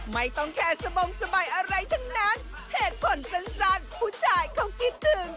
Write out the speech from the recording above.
ไม่ต้องแค่สบงสบายอะไรทั้งนั้นเหตุผลสั้นผู้ชายเขาคิดถึง